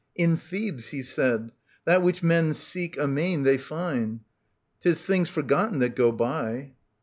In Thebes, he said. — That which men seek amain They find, 'Tis things forgotten that go by.